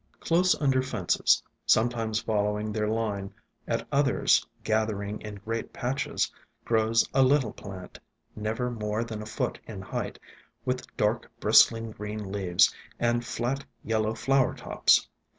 Close under fences, sometimes following their line, at others gathering in great patches, grows a little plant, never more than a foot in height, with dark, bristling green leaves and flat yellow flower tops.